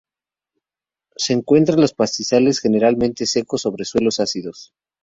Se encuentra en los pastizales generalmente secos sobre suelos ácidos.